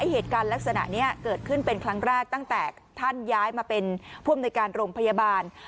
เหตุการณ์ลักษณะนี้เกิดขึ้นเป็นครั้งแรกตั้งแต่ท่านย้ายมาเป็นผู้อำนวยการโรงพยาบาล